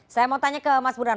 saya mau tanya ke mas burhan